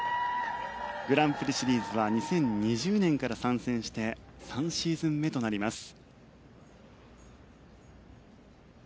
グランプリシリーズは２０２０年から参戦して３シーズン目となります。